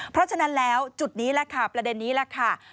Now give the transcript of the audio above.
เพราะฉะนั้นแล้วจุดนี้แหละค่ะประเด็นนี้แหละค่ะ